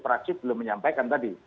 praksis belum menyampaikan tadi